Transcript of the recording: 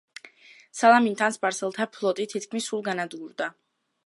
სალამინთან სპარსელთა ფლოტი თითქმის სულ განადგურდა.